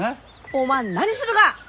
おまん何するが！？